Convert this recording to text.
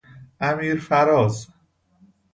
امیرفراز